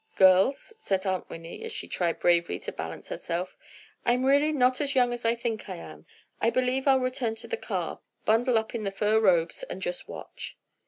"Girls," said Aunt Winnie, as she tried bravely to balance herself, "I'm really not as young as I think I am! I believe I'll return to the car, bundle up in the fur robes and just watch."